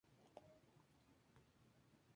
Pasó a San Lorenzo.